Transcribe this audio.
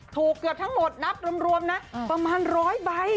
เกือบทั้งหมดนับรวมนะประมาณ๑๐๐ใบ